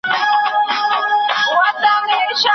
نه « نوري » سته